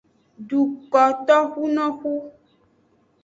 Dukotoxunoxu.